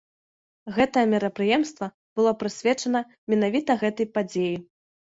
Гэтае мерапрыемства было прысвечана менавіта гэтай падзеі.